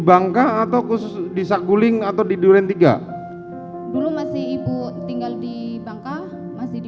bangka atau khusus di sakuling atau di durian tiga dulu masih ibu tinggal di bangka masih di